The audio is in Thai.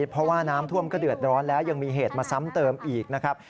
เพราะว่าน้ำท่วมก็เดือดร้อนแล้วยังมีเหตุมาซ้ำเติมอีกนะครับ